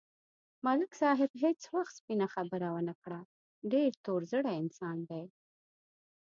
ملک صاحب هېڅ وخت سپینه خبره و نه کړه، ډېر تور زړی انسان دی.